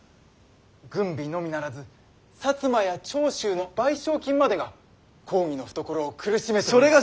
軍備のみならず摩や長州の賠償金までが公儀の懐を苦しめております。